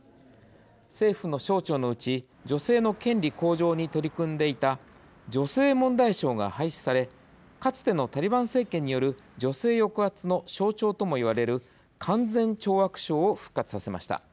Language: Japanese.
政府の省庁のうち女性の権利向上に取り組んでいた女性問題省が廃止されかつてのタリバン政権による女性抑圧の象徴ともいわれる勧善懲悪省を復活させました。